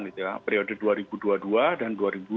gitu ya periode dua ribu dua puluh dua dan dua ribu dua puluh tiga